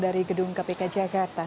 dari gedung kpk jakarta